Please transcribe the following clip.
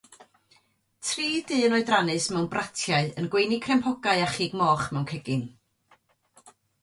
Tri dyn oedrannus mewn bratiau yn gweini crempogau a chig moch mewn cegin.